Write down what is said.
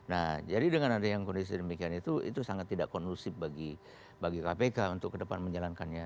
nah jadi dengan ada yang kondisi demikian itu itu sangat tidak kondusif bagi kpk untuk ke depan menjalankannya